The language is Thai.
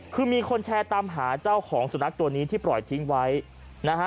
คือมีคนแชร์ตามหาเจ้าของสุนัขตัวนี้ที่ปล่อยทิ้งไว้นะฮะ